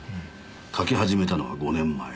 書き始めたのは５年前。